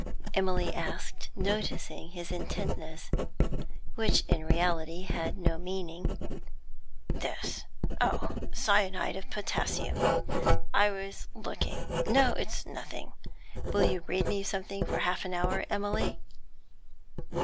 Emily asked, noticing his intentness, which in reality had no meaning. 'This? Oh, cyanide of potassium. I was looking no, it's nothing. Will you read me something for half an hour, Emily?'